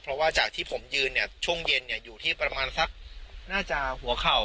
เพราะว่าจากที่ผมยืนเนี่ยช่วงเย็นอยู่ที่ประมาณสักน่าจะหัวเข่า